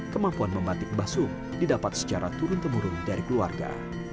kemampuan membatik bakso didapat secara turun temurun dari keluarga